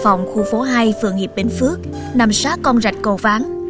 nhà nhỏ của chốt dân phòng khu phố hai phường hiệp bến phước nằm sát con rạch cầu ván